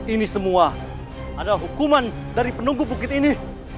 ini semua adalah hukuman dari penunggu bukit ini